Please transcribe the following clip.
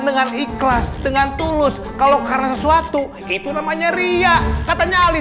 dengan ikhlas dengan tulus kalau karena sesuatu itu namanya ria katanya ali